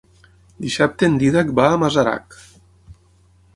Dissabte en Dídac va a Masarac.